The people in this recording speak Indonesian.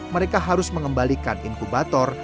mereka harus mengembalikan inkubator